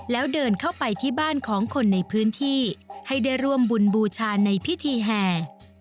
แล้วเดินเข้าไปที่บ้านของคนในพื้นที่ให้ได้ร่วมบุญบูชาในพิธีแห่